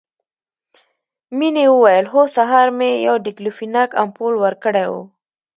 مينې وويل هو سهار مې يو ډيکلوفينک امپول ورکړى و.